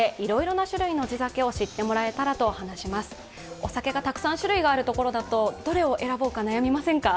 お酒がたくさん種類がある所だとどれを選ぼうか悩みませんか？